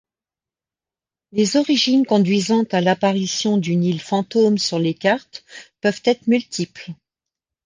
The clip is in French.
Les origines conduisant à l'apparition d'une île fantôme sur les cartes peuvent être multiples.